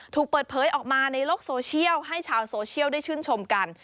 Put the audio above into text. ถูกเปิดเผยออกมาในโลกโซเชียลให้ชาวโซเชียลได้ชื่นชมกัน